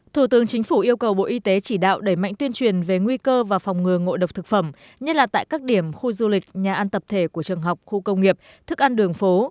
thủ tướng chính phủ yêu cầu bộ y tế chỉ đạo đẩy mạnh tuyên truyền về nguy cơ và phòng ngừa ngộ độc thực phẩm nhất là tại các điểm khu du lịch nhà ăn tập thể của trường học khu công nghiệp thức ăn đường phố